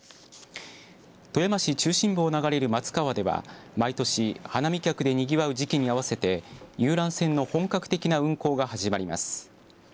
富山市中心部を流れる松川では毎年、花見客でにぎわう時期に合わせて遊覧船の本格的な運航が始まります。